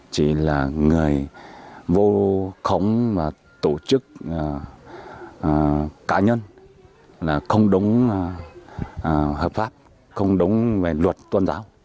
chỉ là người vô khống và tổ chức cá nhân là không đúng hợp pháp không đúng về luật tôn giáo